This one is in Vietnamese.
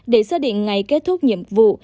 để xác định ngày kết thúc nhiệm vụ